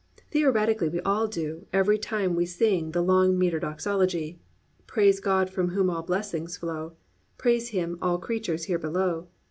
Theoretically we all do, every time we sing the long metre Doxology, "Praise God from whom all blessings flow, Praise Him all creatures here below.